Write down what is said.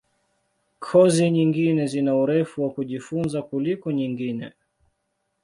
Kozi nyingine zina urefu wa kujifunza kuliko nyingine.